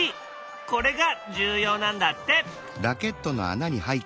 これが重要なんだって。